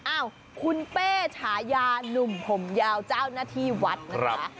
อ้าวคุณเป้ฉายานุ่มผมยาวเจ้าหน้าที่วัดนะคะ